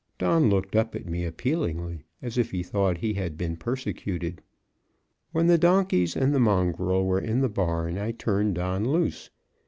Don looked up at me appealingly, as if he thought he had been persecuted. When the donkeys and the mongrel were in the barn, I turned Don loose.